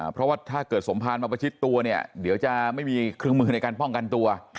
เพราะว่าถ้าเกิดสมภารมาประชิดตัวเนี่ยเดี๋ยวจะไม่มีเครื่องมือในการป้องกันตัว